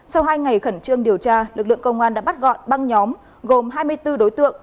sau hai ngày khẩn trương điều tra lực lượng công an đã bắt gọn băng nhóm gồm hai mươi bốn đối tượng